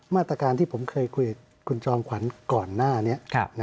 มาตรการที่ผมเคยคุยกับคุณจอมขวัญก่อนหน้านี้